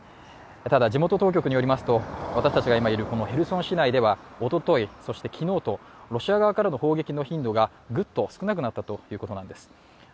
ただ地元当局によりますと、私たちが今いるヘルソン市内ではおととい、そして昨日と、ロシア側からの攻撃頻度がぐっと少なくなったということなんです。